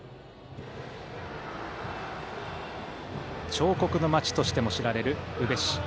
彫刻の町としても知られる宇部市。